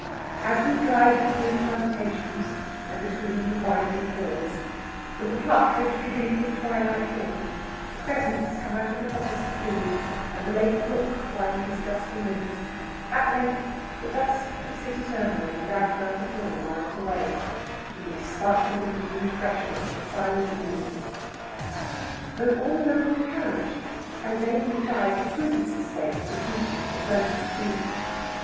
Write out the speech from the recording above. As we glided through plantations and between the winding hills, with the partridge beginning his twilight call, the pheasants come out of the coppice to feed, and the late rook plying his dusky wings, at length the dust and city turmoil lagged round the corner miles away, and we sparkled in the dewy freshness of the silent moon. Though all alone in the carriage, I vainly tried for prudence' sake to creep into the cloak of sleep.